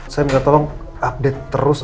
saya minta tolong update terus